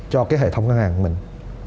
cho cái hệ thống ngân hàng của mình